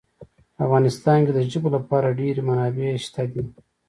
په افغانستان کې د ژبو لپاره ډېرې منابع شته دي.